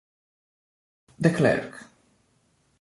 De Klerk